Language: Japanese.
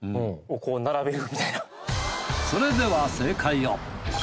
それでは正解を。